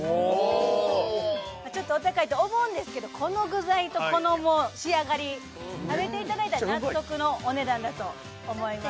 おちょっとお高いと思うんですけどこの具材とこの仕上がり食べていただいたら納得のお値段だと思います